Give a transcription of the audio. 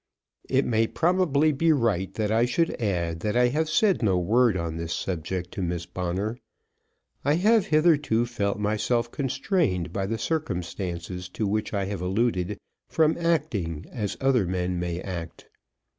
It may probably be right that I should add that I have said no word on this subject to Miss Bonner. I have hitherto felt myself constrained by the circumstances to which I have alluded from acting as other men may act.